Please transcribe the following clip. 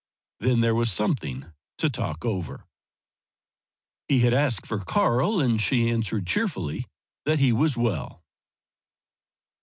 Then there was something to talk over. He had asked for Karl, and she answered, cheerfully, that he was well.